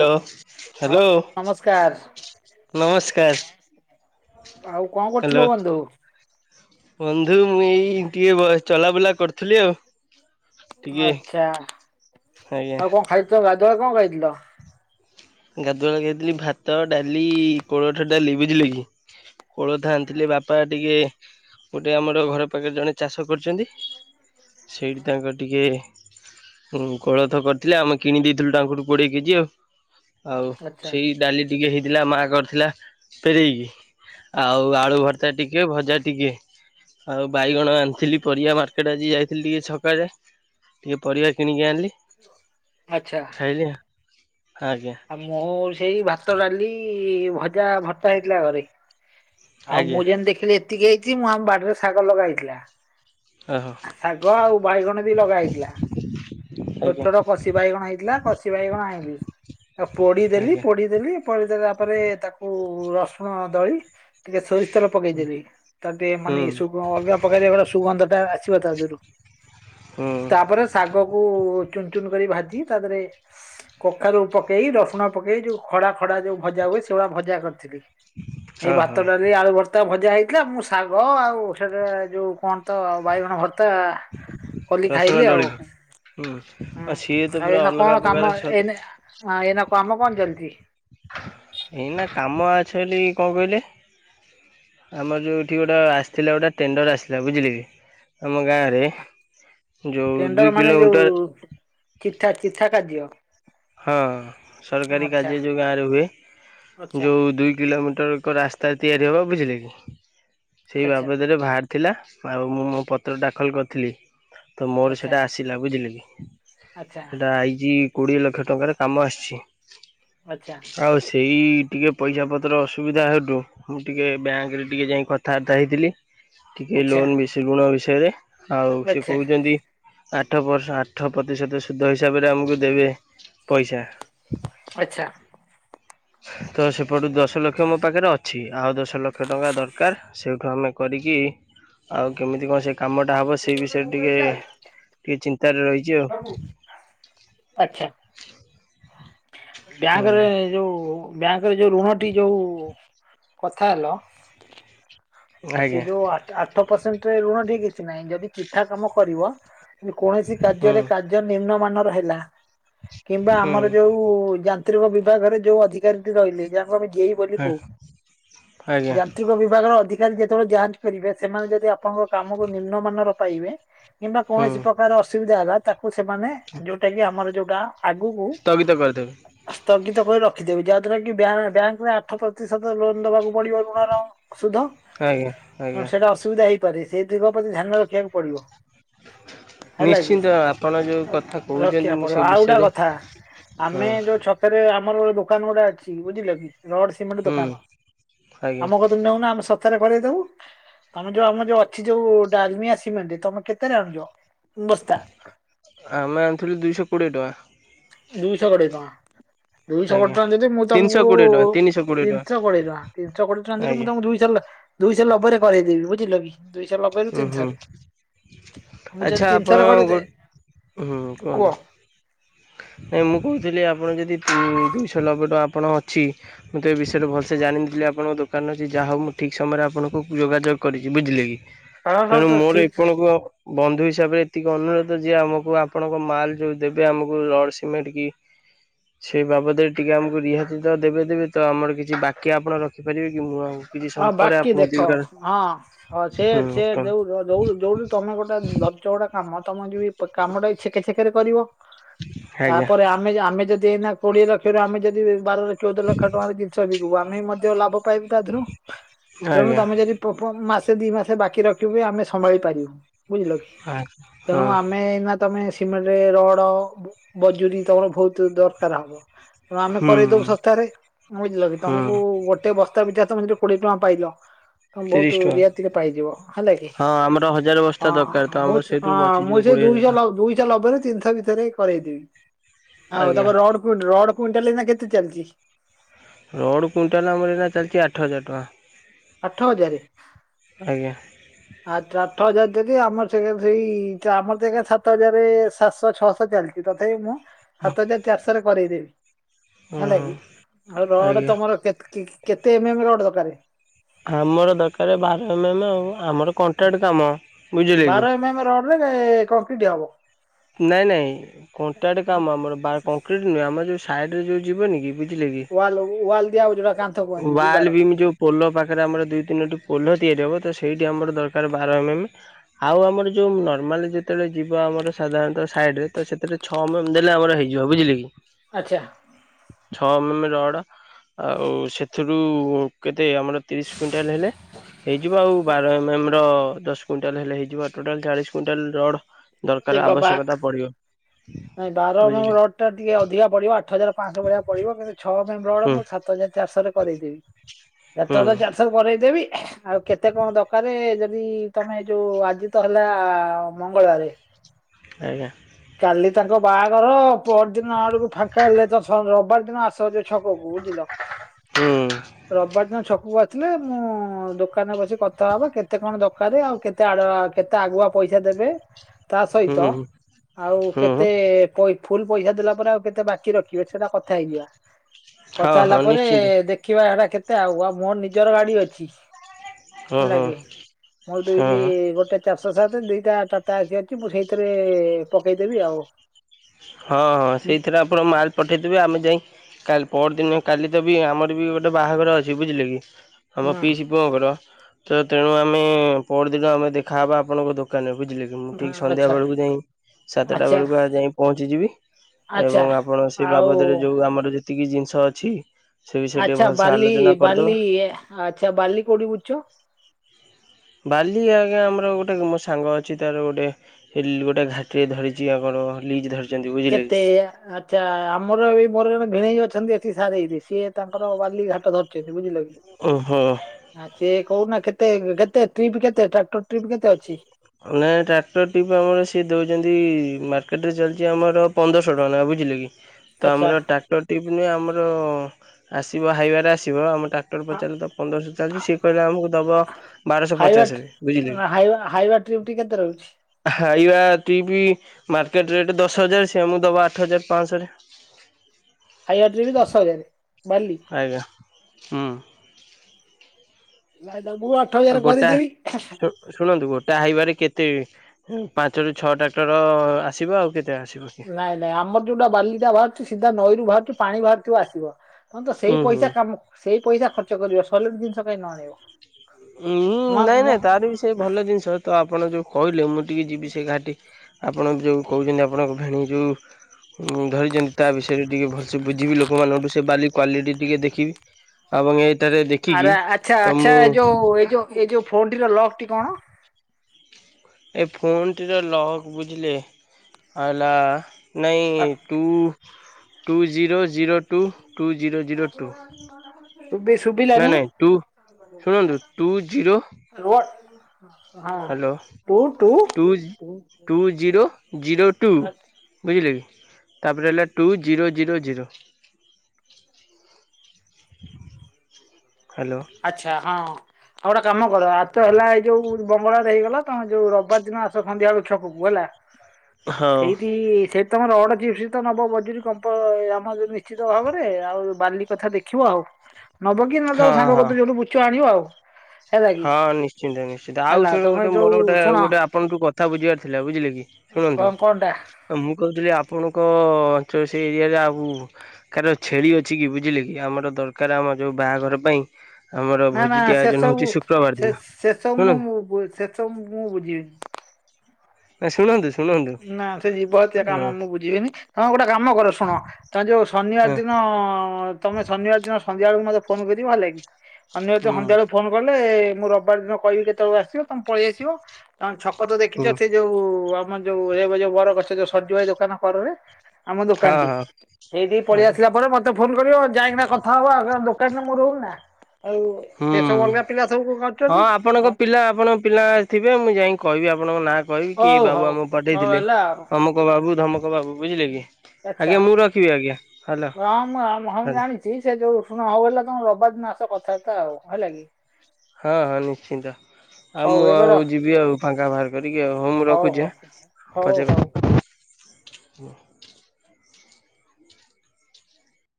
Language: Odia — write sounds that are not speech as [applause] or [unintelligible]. ତ ହଁ ହାଲୋ ବନ୍ଧୁ ନମସ୍କାର ନମସ୍କାର୍। ଆଉ କଣ କରୁଥିଲ ବନ୍ଧୁ? ବନ୍ଧୁ ମୁଁ ଏଇ ଟିକେ ବ ଚଲାବୁଲା କରୁଥିଲି ଆଉ। ଟିକେ ଆଚ୍ଛା ଆଜ୍ଞା। ଆଉ କଣ ଖାଇଥିଲ ଗାଧୁଆଳେ କଣ ଖାଇଥିଲ? ଗାଧୁଆଳେ ଖାଇଥିଲି ଭାତ, ଡ଼ାଲି, କୋଳଥଡ଼ାଲି, ବୁଝିଲେ କି? କୋଳଥ ଆଣିଥିଲେ ବାପା ଟିକେ ଗୋଟେ ଆମର ଘର ପାଖରେ ଜଣେ ଚାଷ କରିଚନ୍ତି ସେଇଠି ତାଙ୍କର ଟିକେ ହୁଁ କୋଳଥ କରିଥିଲେ ଆମେ କିଣି ଦେଇଥିଲୁ ତାଙ୍କୁଠୁ କୋଡ଼ିଏ କେଜି ଆଉ। ଆଉ ଆଚ୍ଛା ସେଇ ଡ଼ାଲି ଟିକେ ହେଇ ଥିଲା ମା କରିଥିଲା ପେରେଇକି ଆଉ ଆଳୁ ଭର୍ତ୍ତା ଟିକେ ଭଜା ଟିକେ। ଆଉ ବାଇଗଣ ଆଣିଥିଲି ପରିବା ମାର୍କେଟ ଆଜି ଯାଇଥିଲି ଟିକେ ସକାଳେ। ଟିକେ ପରିବା କିଣିକି ଆଣିଲି। ଆଚ୍ଛା। ଖାଇଲି ଆଜ୍ଞା। ମୁଁ ସେଇ ଭାତ, ଡ଼ାଲି, ଭଜା, ଭର୍ତ୍ତା ହେଇଥିଲା ଘରେ। ଆଉ ଆଜ୍ଞା ମୁଁ ଯେମିତି ଦେଖିଲି ଏତିକି ହେଇଚି ମୁଁ ଆମ ବାଡ଼ିରେ ଶାଗ ଲଗା ହେଇଥିଲା। ଓହୋ ଶାଗ ଆଉ ବାଇଗଣ ବି ଲଗା ହେଇଥିଲା। ଛୋଟ ଆଜ୍ଞା ଛୋଟ କଷି ବାଇଗଣ ହେଇଥିଲା କଷି ବାଇଗଣ ଆଇଁଲି। ଆଉ ପୋଡି଼ଦେଲି ଆଜ୍ଞା ପୋଡି଼ଦେଲି ପୋଡି଼ଦେଲା ପରେ ତାକୁ ରସୁଣ ଦଳି ଟିକେ ଶୋରିଷ ତେଲ ପକେଇଦେଲି ତାର ଟିକେ ହୁଁ ମାନେ ସୁ ଅଲଗା ପକେଇଦେବାର ସୁଗନ୍ଧ ଟା ବାଛିବା ତା ଦେହରୁ ହୁଁ ତାପରେ ଶାଗ କୁ ଚୁନ୍ ଚୁନ୍ କରି ଭାଜି ତା ଦେହରେ କଖାରୁ ପକେଇ ରସୁଣ ପକେଇ ଯୋଉ ଖଡା ଖଡା ଯୋଉ ଭଜା ହୁଏ ସେ ଭଳିଆ ଭଜା କରିଥିଲି ଏଇ ହଁ ଭାତ ହଁ ଡ଼ାଲି ଆଳୁ ଭର୍ତ୍ତା ଭ [unintelligible] ହେଇଥିଲା ମୁଁ ଶାଗ ଆଉ ସେଟା ଯୋଉ କଣ ତ ବାଇଗଣ ଭର୍ତ୍ତା କଲି ଖାଇଲି ରସୁଣ ଆଉ। ଦଳିକି ହୁଁ ହୁଁ ସିଏ ତ ଆଉ ପୁରା ଏଇନା ଅଲଗା କଣ ପ୍ରକାର କାମ ସ୍ୱାଦ ଏଇନେ ଏଇନା କାମ କଣ ଚାଲିଚି? ଏଇନା କାମ ଅଛି ବୋଲି କଣ କହିଲେ ଆମର ଯୋଉ ଏଠି ଗୋଟେ ଆସିଥିଲା ଗୋଟେ ଟେଣ୍ଡର୍ ଆସିଥିଲା ବୁଝିଲେ କି? ଆମ ଗାଁରେ ଯୋଉ ଦୁଇ ଟେଣ୍ଡର୍ ମାନେ ଯୋଉ କିଲୋମିଟର ଚିଠା ଚିଠା କାର୍ଯ୍ୟ। ହଁ ସରକାରୀ ଆଚ୍ଛା କାର୍ଯ୍ୟ ଯୋଉ ଗାଁରେ ହୁଏ ଆଚ୍ଛା ଯୋଉ ଦୁଇ କିଲୋ [unintelligible] ରାସ୍ତା ତିଆରି ହବ ବୁଝିଲେ କି ସେଇ ଆଚ୍ଛା ବାବଦରେ ଭା ଥିଲା ଆଉ ମୁଁ ମୋ ପତ୍ର ଦାଖଲ କରିଥିଲି ତ ମୋର ଆଚ୍ଛା ସେଇଟା ଆସିଲା ବୁଝିଲେ କି? ଆଚ୍ଛା ସେଟା ଆଇଚି କୋଡ଼ିଏ ଲକ୍ଷ ଟଙ୍କାର କାମ ଆସିଚି ଆଚ୍ଛା ଆଉ ସେଇ ଟିକେ ପଇସା ପତ୍ର ଅସୁବିଧା ହେଟୁ ମୁଁ ଟିକେ ବ୍ୟାଙ୍କ ରେ ଟିକେ ଯାଇ କଥାବାର୍ତ୍ତା ହେଇଥିଲି। ଟିକେ ଆଚ୍ଛା ଲୋନ୍ ବେଶୀ ଋଣ ବିଷୟରେ ଆଉ ସେ କହୁଛନ୍ତି ଆଠ ପର ଆଠ ପ୍ରତିଶତ ସୁଧ ହିସାବରେ ଆମକୁ ଦେବେ ପଇସା। ଆଚ୍ଛା। ତ ସେପଟୁ ଦଶ ଲକ୍ଷ ମୋ ପାଖରେ ଅ ଅଛି ଆଉ ଦଶ ଲକ୍ଷ ଟଙ୍କା ଦରକାର ସେଇଠୁ ଆମେ କରିକି ଆଉ କେମିତି କଣ ସେ କାମଟା ହବ ସେ ବିଷୟରେ ଟିକେ ଆଚ୍ଛା ଟିକେ ଚିନ୍ତାରେ ରହି ଆଚ୍ଛା। ହୁଁ ବ୍ୟାଙ୍କ୍ ରେ ଯୋଉ ବ୍ୟାଙ୍କ୍ ରେ ଯୋଉ ଋଣଟି ଯୋଉ କଥା ହେଲ। ଆ, ସେ ଆଜ୍ଞା ଯୋଉ ଆଟ ଆଠ ପରସେଣ୍ଟେ ଋଣ ଠି କିଛି ନାହିଁ। ଯଦି ଚିଠା କାମ କରିବ କି କୌଣସି ହୁଁ କାର୍ଯ୍ୟରେ କାର୍ଯ୍ୟ ନିମ୍ନ ମାନର ହେଲା। କିମ୍ବା ହୁଁ। ଆମର ଯୋଉ ଯାନ୍ ନ୍ତ୍ରିକ ବିଭାଗରେ ଯୋଉ ଅଧିକାରୀଟି ରହିଲେ। ଯା ତାକୁ ଆମେ ଜେଇ ବୋଲି ଆ କଉ। ଆଜ୍ଞା ଯାନ୍ତ୍ରିକ ବିଭାଗର ଅ [unintelligible] ଯେତେବେଳେ ଯାଞ୍ଚ କରିବେ ସେମାନେ ଯଦି ଆପଣଙ୍କ କାମକୁ ନିମ୍ନ ମାନର ପାଇବେ। କିମ୍ବା ହୁଁ କୌଣସି ପ୍ରକାର ଅସୁବିଧା ହେଲା। ତାକୁ ସେମାନେ ଯୋଉଟା କି ଆମର ଯୋଉଟା ଆଗକୁ ସ୍ଥଗିତ କରିଦେବେ ସ୍ଥଗିତ କରି ରଖିଦେବି। ଯାହା ଯୋଉଟା କି ବ୍ୟା ବ୍ୟାଙ୍କ୍ ରେ ଆଠ ପ୍ରତିଶତ ଲୋନ୍ ଦବାକୁ ପଡ଼ିବ ଋଣର ସୁଧ। ଆଜ୍ଞା, ଆଜ୍ଞା। କରି ସେଇ ଦିଗ ପ୍ରତି ଧ୍ୟାନ ରଖିବାକୁ ପଡ଼ିବ। ନିଶ୍ଚିନ୍ତ ଆପଣ ଯୋଉ କଥା ରଖିବାକୁ କହୁଚନ୍ତି ମୁଁ ପଡିବ ସେ ଆଉ ଗୋଟେ ବିଷୟରେ କଥା ହଁ ଆମେ ଯୋଉ ଛକରେ ଆମ ଆମର ଗୋଟେ ଦୋକାନ ଗୋଟେ ଅଛି ବୁଝିଲ କି ରଡ୍ ସିମେଣ୍ଟ ହୁଁ ଦୋକାନ। ଆଜ୍ଞା ଆମ କତୁରୁ ନଉନ ଆମ ସ ସରେ କରେଇଦବୁ। ତୋମେ ଯୋଉ ଆମର ଯୋଉ ଅଛି ଯୋଉ ଡାଲମିଆ ସିମେଣ୍ଟ ତୋମେ କେତେରେ ଆଣୁଚ? ଆମେ ଆଣିଥିଲୁ ଦୁଇଶହ କୋଡ଼ିଏ ଟଙ୍କା। ଦୁଇଶହ କୋଡ଼ିଏ ଟଙ୍କା। ଦୁଇଶହ ଆଜ୍ଞା। କୋଡ଼ିଏ ଟଙ୍କା ଯଦି ମୁଁ ତିନିଶହ ତୋମକୁ କୋଡିଏ ଟଙ୍କା ତିନିଶହ କୋଡିଏ ଟଙ୍କା ତିନିଶହ କୋଡ଼ିଏ ଟଙ୍କା, ତିନିଶହ କୋଡ଼ିଏ ଟଙ୍କା, ଯଦି ମୁଁ ଆଜ୍ଞା ତୋମକୁ ଦୁଇଶହ ଲେ ଦୁଇଶହ ଲବେରେ କରେଇ ଦେବି ବୁଝିଲ କି। ଦୁଇଶହ ଲବେରୁ ହୁଁ ହୁଁ ତିନିଶହରେ। ମୁଁ ଯଦି ଆଚ୍ଛା ଆପଣ ତିନିଶହରେ ଗୋ, କରିଦେ ହୁଁ କୁହ କୁହନ୍ତୁ ନାଇଁ ମୁଁ କହୁଥିଲି ଆପଣ ଯଦି ଦୁଇଶହ ଲବେ ଟଙ୍କା ଆପଣ ଅଛି ମୁଁ ତ ଏ ବିଷୟରେ ଭଲସେ ଜାଣିିନଥିଲି ଆପଣଙ୍କ ଦୋକାନ ଅଛି। ଯାହା ହଉ ମୁଁ ଠିକ୍ ସମୟରେ ଆପଣଙ୍କୁ ଯୋଗାଯୋଗ କରିଚି ବୁଝିଲେ କି। କାରଣ ସବୁ ତେଣୁ ତ ମୋର ଠିକ ଏପଣଙ୍କ ବନ୍ଧୁ ହିସାବରେ ଏତିକି ଅନୁରୋଧ ଯେ ଆମକୁ ଆପଣଙ୍କ ମାଲ ଯୋଉ ଦେବେ ଆମ ରଡ୍ ସିମେଣ୍ଟ କି? ସେଇ ବାବଦରେ ଟିକେ ଆମକୁ ରିହାତି ତ ଦେବେ ଦେବେ। ତ ଆମର କିଛି ବାକି ଆପଣ ରଖିପାରିବେ କି? ମୁଁ ଆଉ କିଛି ସମ ଓ ପରେ ବାକି ଆପଣଙ୍କୁ ଦେଖ। ଦେବି କାରଣ ହଁ ହଁ ସେ ହୁଁ ସେ କଣ ଯୋଉ ଯୋ ଯୋଉଠୁ ଯୋଉଠି ତୋମେ ଗୋଟେ ଧ ଚଉଡା କାମ ତୋମ ଯୋଉ ଏ ପ-କାମ ଟା ଏ ଛେକେ ଛେକରେ କରିବ। ଆଜ୍ଞା ତାପରେ ଆମେ ଯେ ଆମେ ଯଦି ଏଇନା କୋଡ଼ିଏ ଲକ୍ଷରୁ ଆମେ ଯଦି ବାର ଚଉଦ ଲକ୍ଷ ଟଙ୍କାର ଜିନିଷ ବିକିବୁ ଆମେ ବି ମଧ୍ୟ ଲାଭ ପାଇବୁ ତା ଦେହରୁ। ତେଣୁ ଆଜ୍ଞା ତୋମେ ଯଦି ପ୍ରପର ମାସେ ଦି ମାସେ ବାକି ରଖିବେ ଆମେ ସମ୍ଭାଳି ପାରିବୁ। ବୁଝିଲ କି। ଆ ତେଣୁ ହଁ ଆମେ ଏଇନା ତୋମେ ସି ସିମେଣ୍ଟେ, ରଡୁ, ବ-ବଜୁରୀ ତୋମର ବହୁତୁ ଦରକାର ହବ। ତେଣୁ ଆମେ ହୁଁ କରେଇଦବୁ ଶସ୍ତାରେ। ବୁଝିଲ କି, ହୁଁ ତୋମକୁ ଗୋଟେ ବସ୍ତା ପିଛା ତୋମେ ଯୋ କୋଡ଼ିଏ ଟଙ୍କା ପାଇଯିବ। ତୋମେ ବହୁତୁ ତିରିଶ ଟଙ୍କା। ରିହାତିକ ପାଇଯିବ। ହେଲା କି, ହଁ ଆମର ହଜାରେ ବସ୍ତା ହଁ, ଦରକାର ହଁ, ତ ହଁ, ମୁଁ ଆମର ସେଇଥିରୁ ଚା-ହଁ ମୁଁ ବଞ୍ଚିଯିବ ସେଇ କୋଡିଏ ହଜାର ଦୁଇଶହ ଟଙ୍କା ଲ, ଦୁଇଶହ ଲବେରେ ତିନିଶହ ଭିତରେ କରେଇଦେବି। ଆଉ ଆଜ୍ଞା। ତୋମ ରଡ୍ କୁ ରଡ୍ କୁଇଣ୍ଟାଲ ଏଇନା କେତେ ଚାଲିଚି? ରଡ଼୍ କୁଇଣ୍ଟାଲ ଆମର ଏଇନା ଚାଲିଚି ଆଠ ହଜାର ଟଙ୍କା। ଆଠ ହଜାରେ? ଆଜ୍ଞା। ଆଚ୍ଛା। ଆଠ ହଜାର ଯଦି ଆମର ସେ ସେଇ ଚା-ଆମର ତ ଏକା ସାତ ହଜାରେ ସାତଶହ ଛଅଶହ ଚାଲିଚି। ତଥାପି ମୁଁ ସାତ ହଜାର ଚାରିଶହ ରେ କରେଇଦେବି। ହଁ ହେଲା ହଁ କିି, ଆଉ ରଡ୍ ଆଜ୍ଞା। ତୋମର କେତ କେକି କେତେ ଏମ୍ ଏମ୍ ରଡ୍ ଦରକାର? ଆମର ଦରକାର ବାର ଏମ୍ ଏମ୍ ଆଉ ଆମର କଣ୍ଟ୍ରାକ୍ଟ କାମ ବୁଝିଲେ ବାର କି। [unintelligible] କଂକ୍ରିଟ ହବ। ନାଇଁ ନାଇଁ କଣ୍ଟାଟ କାମ ଆମର। ବା- କଂକ୍ରିଟ ନୁହେ ଆମ ଯୋଉ ସାଇଡରେ ଯୋଉ ଯିବନି କି ବୁ ୱାଲ୍ କୁ ୱାଲ୍ ଦେ ୱାଲ୍ ବିମ୍ ଯୋଉ ପୋଲ ପାଖରେ ଆମର ଦି ତିନୋଟି ପୋଲ ତିଆରି ହବ। ତ ସେଇଠି ଆମର ଦରକାର ବାର ଏମ ଏମ୍ ଆଉ ଆମର ଯୋଉ ନର୍ମାଲି ଯେତେବେଳେ ଯିବ ଆମର ସାଧାରଣତଃ ସାଇଡ୍ ରେ ତ ସେଥିରେ ଛଅ ଏମ୍ ଏମ୍ ଦେଲେ ଆମର ହେଇଯିବ ବୁଝିଲେ କି। ଆଚ୍ଛା। ଛଅମ ଏମ୍ ରଡ ଆଉ ସେଥିରୁ କେ ଆମର ତିରିଶ କୁଇଣ୍ଟଲ ହେଲେ ହେଇଯିବ ଆଉ ବାର ଏମ ଏମ ର ଦଶ କୁଇଣ୍ଟାଲ ହେଲେ ହେଇଯିବ ଟୋଟାଲ ଚାଳିଶ କୁଇଣ୍ଟାଲ ରଡ ଦେଖ ଦରକାର ବା ଆବଶ୍ୟକତା ପଡିବ। ନାଇଁ ବାର ବୁଝିଲେ ରଡ ଟା ଟିକେ ଅଧିକା ପଡିବ ଆଠ ହଜାର ପାଞ୍ଚଶହ ବଳିଆ ପଡିବ କିନ୍ତୁ ଛଅ ବଡ ହୁଁ ମୁଁ ସାତ ହଜାର ଚାରିଷହରେ କରେଇ ଦେବି। ସାତ ହୁଁ ହଜାର ଚାରିଶହ ରେ କରେଇଦେବି। ଆଉ କେତେ କଣ ଦରକାର ଯଦି ତମେ ଏ ଯୋଉ ଆଜି ତ ହେଲା ମଙ୍ଗଳବାର। ଆଜ୍ଞା। କାଲି ତାଙ୍କ ବାହାଘର ପହର ଦିନ ଆଡକୁ ଫାଙ୍କା ହେଲେ ତ ରବିବାର ଦିନ ଆସ। ଛକକୁ ବୁଝିଲ ହୁଁ ରବିବାର ଦିନ ଛକକୁ ଆସିଲେ ମୁଁ ଦୋକାନରେ ବସି କଥା ହବ କେତେ କଣ ଦରକାର ଆଉ କେତେ ଆଡ କେତେ ଆଗୁଆ ପଇସା ଦେବେ? ତା ସହିତ ହୁଁ ଆଉ ହୁଁ କେତେ ପ ଫୁଲ ପଇସା ଦେଲା ପରେ ଆଉ କେତେ ବାକି ରଖିବେ ସେଟା କଥା ହେଇଯିବା। ହଁ କଥା ହେଲା ହଁ ପରେ ନିଶ୍ଚିନ୍ତ ଦେଖିବା ହେଟା କେତେ ଆଉ ଆଉ ମୋର ନିଜର ଗାଡି ଅଛି। ହଁ ହଁ ହେଲାକି ମୋର ଦୁଇଟି ହଁ। ଗୋଟେ ଚାରି ଶହ ସାତ। ତ ଦିଟା ଟଟା ଆ ଅଛି ମୁଁ ସେଇଥିରେ ପକେଇଦେବି ଆଉ। ହଁ ହଁ ହୁଁ ସେଇଥିରେ ଆପଣ ମାଲ୍ ପଠାଇଦେବେ ଆମେ ଯାଇକି କାଲି ପରଦିନ କାଲି ତ ବି ଆମର ବି ଗୋଟେ ବାହାଘର ଅଛି ବୁଝିଲେ କି? ଆମ ହୁଁ ପିଶିପୁଅଙ୍କର ତ ତେଣୁ ଆମେ ପହରଦିନ ଆମେ ଦେଖାହବା ଆପଣଙ୍କ ଦୋକାନରେ। ବୁଝିଲେ କି ମୁଁ ହୁଁ, ଠିକ ସନ୍ଧ୍ୟା ଆଚ୍ଛା ବେଳକୁ ଯାଇ ସାତଟା ଆଚ୍ଛା ବେଳକୁ ଯାଇ ପହଞ୍ଚିଯିବି ଆଚ୍ଛା ଏବଂ ଆପଣ ସେ ଆଉ ବାବଦରେ ଯୋଉ ଆମର ଯେତିକି ଜିନିଷ ଅଛି ସେ ବିଷୟରେ ଟିକେ ଆଚ୍ଛା ଭଲସେ ବାଲି ଆଲୋଚନା କରିଦବା ବାଲି ଆଚ୍ଛା ବାଲି କୋଠି ବୁଝୁଛ? [inaudible] ବାଲି ଆଜ୍ଞା ଆମର ଗୋଟେ ମୋ ସାଙ୍ଗ ଅଛି ତାର ଗୋଟେ ଗୋଟେ ଘାଟିରେ ଧରିଛି ଆଙ୍କର କେତେ ଆଚ୍ଛା ଆମର ମୋର ଭିଣେଇ ଅଛନ୍ତି ଏଠି ସାର ସିଏ ତାଙ୍କର ବାଲି ଘାଟ ଧରିଛନ୍ତି ବୁଝିଲ କି ଓହୋ ଆ ସେ କହୁନା କେ କେତେ କେତେ ଟ୍ରିପ କେତେ ଟ୍ରାକ୍ଟର ଟ୍ରିପ କେତେ ଅଛି ନାଇ ଟ୍ରାକ୍ଟର ଟିପ ଆମର ସିଏ ଦଉଛନ୍ତି ମା ମାର୍କେଟରେ ଚାଲିଛି ଆମର ପନ୍ଦରଶହ ଟଙ୍କା ନା ବୁଝିଲେ କି? ତ ଆଚ୍ଛା। ଆମର ଟ୍ରାକ୍ଟର ଟିପ ଆମର ଆସିବ ହାଇୱରେ ଆସିବ ଆମର ଟ୍ରାକ୍ଟର ପଚାରିଲେ ତ ପନ୍ଦରଶହ ଚାଳିଶ ସିଏ କହିଲା ଆମକୁ ଆମକୁ ଦବ ବାରଶହ ପଚାଶରେ ବୁଝିଲେ କି? ଖାଇବା ଟ୍ରିପ ଟି କେତେ ରହୁଛି? ଖାଇବା ଟ୍ରିପ ମାର୍କେଟ ରେଟ ଦଶ ହଜାର ସିଏ ଆମକୁ ଦବା ଆଠ ହଜାର ପାଞ୍ଚଶହରେ। [inaudible] ଖାଇବା ଟ୍ରିପ ବି ଦଶ ହଜାର? ବାଲି ଆଜ୍ଞା ହୁଁ। ନାଇଁ ନା ମୁଁ ଆଠ ହଜାର କରିଦେବି। ତା ହାଇବାରେ କେତେ ପାଞ୍ଚରୁ ଛଅ ଟ୍ରାକ୍ଟର ଆସିବ ଆଉ କେତେ? ଆସିବ କି ନାଇଁ ନାଇଁ ଆମର ଯୋଉଟା ବାଲିଟା ବାହାରୁଛି ସିଧା ନଈରୁ ବାହାରୁଛି ପାଣି ବାହାରୁଥିବ ଆସିବ। ହଁ ତ ସେଇ ଉୁଁ ହୁଁ। ପଇସା କାମ ସେଇ ପଇସା ଖର୍ଚ୍ଚ କରିବ ସଲିଟ ଜିନିଷ କାଇଁ ନ ଆଣିବ? ହୁଁ ମୁଁ ନାଇଁ ନାଇଁ ତାର ମୁଁ ବି ସେ ଭଲ ଜିନିଷ ତ ଆପଣ ଯୋଉ କହିଲେ ମୁଁ ଟିକେ ଯିବି ସେ ଗାହାଟି ଆପଣ ଯେଉଁ କହୁଛନ୍ତି ଆପଣଙ୍କ ଭେନେଇ ଯେଉଁ ଉ ଧରିଛନ୍ତି ତା ବିଷୟରେ ଟିକେ ଭଲସେ ବୁଝିବି ଲୋକମାନଙ୍କଠୁ ସେ ବାଲି କ୍ୱାଲିଟି ଟିକେ ଦେଖିବି। ଏବଂ ଏଇଟାରେ ଦେଖିକି ତ ମୁଁ ହଉ ଏଇ ଯୋଉ ଏଇ ଯୋଉ ଫୋନଟିର ଲକ୍ ଟି କଣ? ଏ ଫୋନଟିର ଲକ୍ ବୁଝିଲେ ହେଲା ନାଇଁ two two zero zero two. Two zero zero two ଶୁଭି ଶୁଭିଲାନି ନାଇଁ ନାଇଁ ଟୁ ଶୁଣନ୍ତୁ ଟୁ ଜିରୋ ରୁହ। ହଁ ହାଲୋ ଟୁ ଜ୍ ଟୁ ଜରୋ ଜିରୋ ଟୁ ବୁଝିଲେକି ତାପରେ ହେଲା ଟୁ ଜିରୋ ଜିରୋ ଜିରୋ। [inaudible] ଆଛା ହଁ। ଆଉ ଗୋଟେ କାମ କର ଆଜ୍ ତ ହେଲା ଏଇ ଯୋଉ ବଙ୍ଗଳବାରେ ହେଇଗଲା ତମେ ଯୋଉ ରବିବାର ଦିନ ଆସ ସନ୍ଧ୍ୟାବେଳେ ଛକକୁ ହେଲା। ହଁ ସେଇଠି ସେ ତମେ ରଡ ଚିପସି ତ ନବ ମଜୁରୀ କମ୍ପ ଏ ଆମ ଯୋଉ ନିଶ୍ଚିତ ଭାବରେ ଆଉ ବାଲି କଥା ଦେଖିବ ଆଉ। ନବ କି ନହେଲେ ତମ ହଁ ସାଙ୍ଗ ହଁ କତୁରୁ ଯୋଉଠୁ ବୁଛଚ ଆଣିବ ଆଉ। ହେଲା କି ହଁ ନିଶ୍ଚିନ୍ତ ନିଶ୍ଚିନ୍ତ ଆଉ ହେଲା ସେଡୁ ତମେ ଗୋଟେ ଯୋଉ ମୋର ଗୋଟେ ଶୁଣ ଆଉ ଗୋଟେ ଆପଣଠୁ କଥା ବୁଝିବାର ଥିଲା ବୁଝିଲେ କି। କଣ କଣଟା? ଆ ମୁଁ କୋହୁଥୁଲି ଆପଣଙ୍କ ଅଞ୍ଚଳ ସେ ଏରିଆରେ ଆଉ କାହାର ଛେଳି ଅଛି କି ବୁଝିଲେ କି ଆମର ଦରକାର ଆମ ଯୋଉ ବାହାଘର ପାଇଁ। ପାଇଁ ଆମର ଭୋଜିଟି ଆୟୋଜନ ହୋଉଚି ଶୁ ସେସ୍ ସେ ସବୁ ମୁଁ ମୁଁ ବୁ ସେ ସବୁ ମୁଁ ମୁଁ ବୁଝିବିନି। ନାଇ ଶୁଣନ୍ତୁ ସ୍ ନା ସେ ଯିବ ହତ୍ୟା କାମ ମୁଁ ବୁଝିବିନି ତମେ ଗୋଟେ କାମ କର ଶୁଣ ତମେ ଯୋଉ ଶନିବାର ହଁ ଦିନ ତମେ ଶନିବାର ଦିନ ସନ୍ଧ୍ୟା ବେଳକୁ ମତେ ଫୋନ କରିବ ହେଲା କି। ଅନିବାର ତ ହୁଁ ସନ୍ଧ୍ୟାବେଳେ ଫୋନ କଲେ ମୁଁ ରବିବାର ଦିନ କହିବି କେତେବେଳକୁ ଆସିବ ତମେ ପଳିଆସିବ ତାନ ଛ ତ ହୁଁ ଦେଖିଚ ସେଇ ଯୋଉ ଆମର ଯୋଉ ଏବେ ଯୋଉ ବରଗଛ ଯୋଉ ସଜୁ ଭାଇ ଦୋକାନ କରରେ। ଆମ ହଁ ଦୋକାନଟି ହଁ ଏଇଠିକି ପଳି ଆଜ୍ଞା ଆସିଲା ପରେ ମତେ ଫୋନ କରିବ ଯାଇକିନା କଥା ହବା କାରଣ ଦୋକାନରେ ମୁଁ ରହୁନି ନା। ଆଉ ହୁଁ ସେ ସବୁ ଅଲଗା ପିଲା ସବୁ ହଁ କରୁଛନ୍ତି। ଆପଣଙ୍କ ପିଲା ଆପଣଙ୍କ ପିଲା ଥିବେ ମୁଁ ଯାଇଁକି କହିବି ଆପ ଆପଣଙ୍କ ନାଁ କହିବି କି ଏ ହଉ ବାବୁ ହଉ ଆମକୁ ହଉ ପଠେଇଥିଲେ ହେଲା ଆଉ ଅମକ ବାବୁ ଧମକ ବାବୁ ବୁଝିଲେ କି। ଆଚ୍ଛା। ଆଜ୍ଞା ମୁଁ ରଖିବି ଆଜ୍ଞା। ହ୍ୟାଲୋ ହଁ ମ ଆମ ହଁ ମୁଁ ହ୍ୟାଲୋ। ଜାଣିଚି ସିଏ ଯୋଉ ଶୁଣ ହୋଉ ହେଲା ତମେ ରବିବାର ଦିନ ଆସ୍ ତ କଥାବାର୍ତ୍ତା ଆଉ ହେଲା କି। ହଁ ହଁ ନିଶ୍ଚିନ୍ତ। ଆଉ ହଉ ମୁଁ ଏବେ ର ଆଉ ଯିବି ଆଉ ଫାଙ୍କା ବାହାର କରିକି ଆଉ ହୋଉ ମୁଁ ରଖୁଚି ଆ। ହୋଉ ହୋଉ। ହୁ।